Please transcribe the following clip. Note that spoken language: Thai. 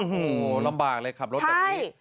โอ้โหลำบากเลยขับรถแบบนี้